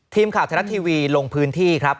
ทีมข่าวไทยรัฐทีวีลงพื้นที่ครับ